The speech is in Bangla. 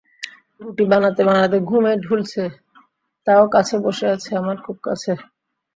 রুটি বানাতে বানাতে ঘুমে ঢুলছে, তাও কাছে বসে আছে, আমার খুব কাছে।